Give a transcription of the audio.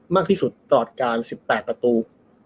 มากที่สุดตลอดการ๑๘ประตู